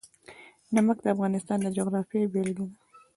نمک د افغانستان د جغرافیې بېلګه ده.